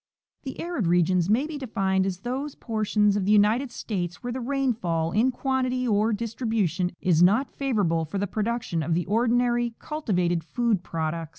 The arid regions may be defined as those portions of the United States where the rainfall, in quantity or distribution, is not favor able for the production of the ordinary cultivated food products, (167) 168 F.